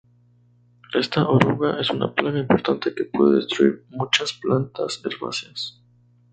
Esta oruga es una plaga importante que puede destruir muchas plantas herbáceas.